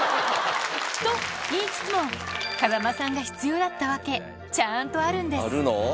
といいつつも、風間さんが必要だった訳、ちゃんとあるんです。